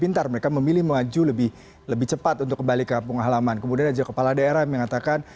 itu dia itu juga